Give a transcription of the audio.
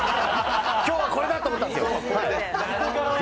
今日はこれだ！って思ったんですよ